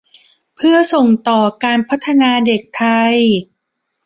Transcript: เพื่อส่งต่อการพัฒนาเด็กไทย